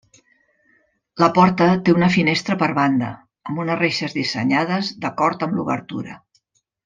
La porta té una finestra per banda, amb unes reixes dissenyades d'acord amb l'obertura.